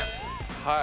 はい。